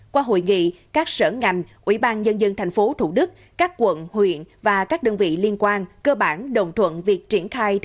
qua hội nghị các sở ngành ủy ban nhân dân tp thủ đức các quận huyện và các đơn vị liên quan cơ bản đồng thuận việc triển khai